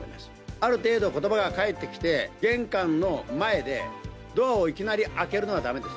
ある程度、ことばが返ってきて、玄関の前でドアをいきなり開けるのはだめです。